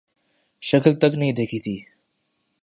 شکل تک نہیں دیکھی تھی